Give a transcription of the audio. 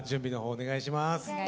お願いします。